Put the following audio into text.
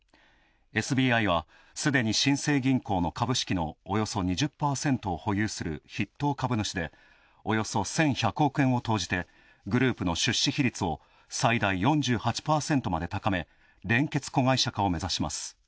ＳＢＩは、すでに新生銀行の株式のおよそ２０％を保有する筆頭株主でおよそ１１００億円を投じて、グループの出資比率を最大４８％まで高め、連結子会社化を目指します。